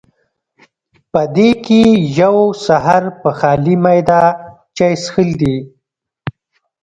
پۀ دې کښې يو سحر پۀ خالي معده چائے څښل دي